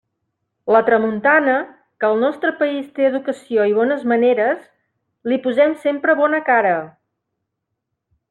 La tramuntana, que al nostre país té educació i bones maneres, li posem sempre bona cara.